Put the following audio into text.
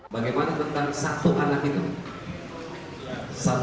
bagaimana tentang satu anak itu